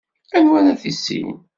Anwa ara tissin?